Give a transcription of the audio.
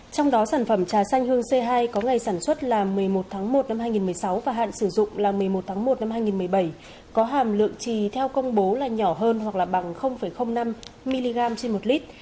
trong đó sản phẩm trà xanh hương c hai có ngày sản xuất là một mươi một tháng một năm hai nghìn một mươi sáu và hạn sử dụng là một mươi một tháng một năm hai nghìn một mươi bảy có hàm lượng trì theo công bố là nhỏ hơn hoặc là bằng năm mg trên một lít